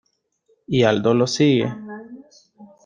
Y Aldo lo sigue.